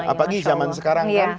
apalagi zaman sekarang